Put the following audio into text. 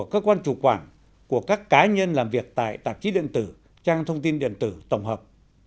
cơ quan chủ quản của các cá nhân làm việc tại tạp chí điện tử trang thông tin điện tử tổng hợp